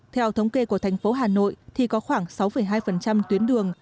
theo thống kê của thành phố hà nội thì có khoảng sáu hai tuyến đường